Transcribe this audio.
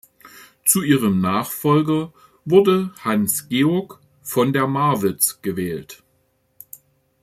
Zu ihrem Nachfolger wurde Hans-Georg von der Marwitz gewählt.